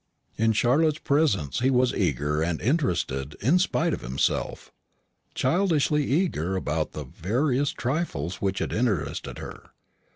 In Charlotte's presence he was eager and interested in spite of himself childishly eager about the veriest trifles which interested her.